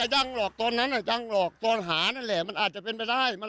ทั้งหมุม่านก็อาจจะอาจจะถือไป